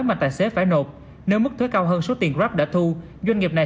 mà tài xế phải nộp nếu mức thuế cao hơn số tiền grab đã thu doanh nghiệp này